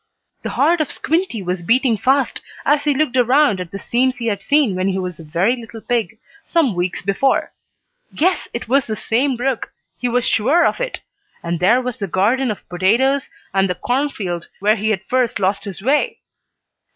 The heart of Squinty was beating fast as he looked around at the scenes he had seen when he was a very little pig, some weeks before. Yes, it was the same brook. He was sure of it. And there was the garden of potatoes, and the cornfield where he had first lost his way.